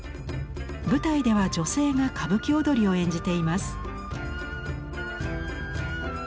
舞台では女性が歌舞伎踊りを演じています。